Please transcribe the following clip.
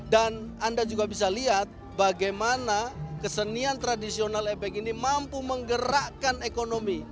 dan anda juga bisa lihat bagaimana kesenian tradisional epek ini mampu menggerakkan ekonomi